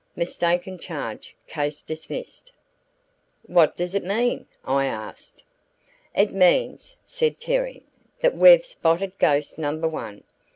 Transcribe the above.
Mistaken charge. Case dismissed." "What does it mean?" I asked. "It means," said Terry, "that we've spotted ghost number one.